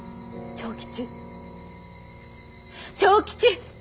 長吉！